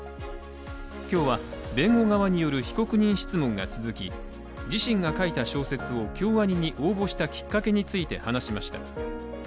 今日は弁護側による被告人質問が続き自身が書いた小説を京アニに応募したきっかけについて話しました。